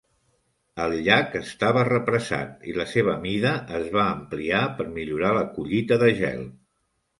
El llac estava represat i la seva mida es va ampliar per millorar la collita de gel.